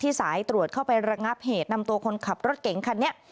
สายตรวจเข้าไประงับเหตุนำตัวคนขับรถเก่งคันนี้